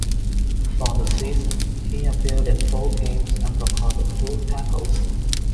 For the season, he appeared in four games and recorded two tackles.